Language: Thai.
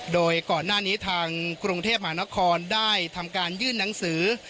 โดยก่อนหน้านี้ทางกรุงเทพมหานครได้ทำการยื่นหนังสือ